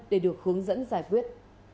để được hướng dẫn giải quyết